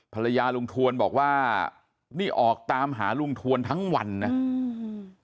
ภรรยาลุงถวลบอกว่านี่ออกตามหาลุงถวลทั้งวันนะ